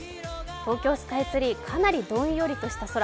東京スカイツリー、かなりどんよりとした空。